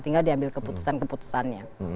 tinggal diambil keputusan keputusannya